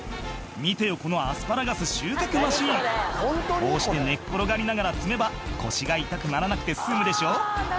「見てよこのアスパラガス収穫マシン」「こうして寝っ転がりながら摘めば腰が痛くならなくて済むでしょ」